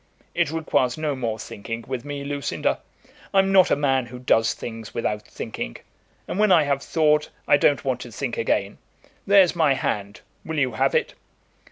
"It requires no more thinking with me, Lucinda. I'm not a man who does things without thinking; and when I have thought I don't want to think again. There's my hand; will you have it?"